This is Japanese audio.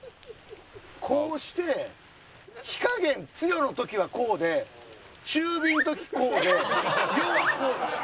こうして火加減強の時はこうで中火の時こうで。